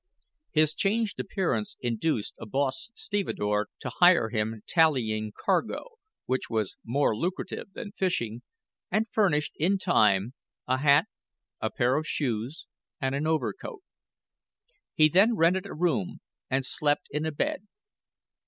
His changed appearance induced a boss stevedore to hire him tallying cargo, which was more lucrative than fishing, and furnished, in time, a hat, pair of shoes, and an overcoat. He then rented a room and slept in a bed.